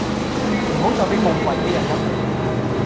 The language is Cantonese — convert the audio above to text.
唔好再畀夢遺嘅人入嚟